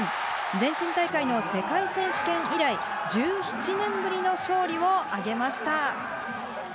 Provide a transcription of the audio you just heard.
前身大会の世界選手権以来、１７年ぶりの勝利を挙げました。